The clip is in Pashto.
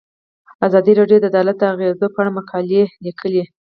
ازادي راډیو د عدالت د اغیزو په اړه مقالو لیکلي.